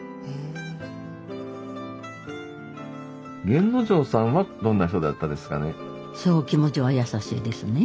源之丞さんはどんな人だったですかね？